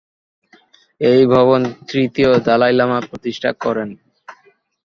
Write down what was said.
এই ভবন তৃতীয় দলাই লামা প্রতিষ্ঠা করেন।